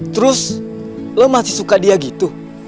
terus lo masih suka dia gitu